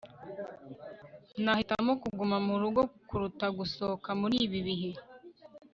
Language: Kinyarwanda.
nahitamo kuguma murugo kuruta gusohoka muri ibi bihe